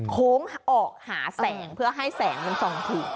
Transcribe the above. โค้งออกหาแสงเพื่อให้แสงมันส่องถูก